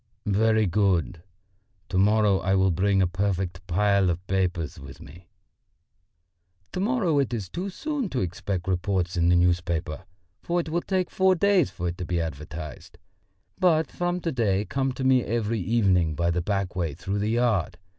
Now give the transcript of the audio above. "Very good; to morrow I will bring a perfect pile of papers with me." "To morrow it is too soon to expect reports in the newspapers, for it will take four days for it to be advertised. But from to day come to me every evening by the back way through the yard.